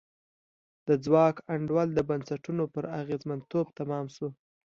د ځواک انډول د بنسټونو پر اغېزمنتوب تمام شو.